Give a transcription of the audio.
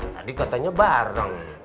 tadi katanya bareng